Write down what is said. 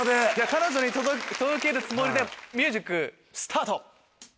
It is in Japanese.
彼女に届けるつもりでミュージックスタート！